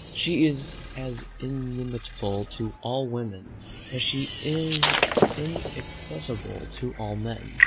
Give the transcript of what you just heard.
she is as inimitable to all women, as she is inaccessible to all men."